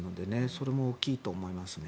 それも大きいと思いますね。